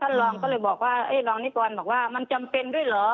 ท่านลองก็เลยบอกว่าเอ๊ะลองนี่ก่อนบอกว่ามันจำเป็นด้วยเหรอ